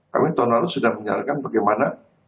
kami tahun lalu sudah menyarankan bagaimana